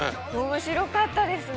面白かったですね。